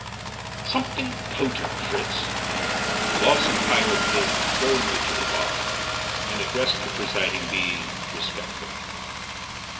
"Something potent, Fritz." Lawson piloted him firmly to the bar and addressed the presiding being respectfully.